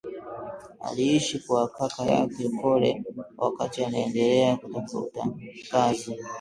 aliishi kwa kaka yake Kole wakati anaendelea kutafuta kazi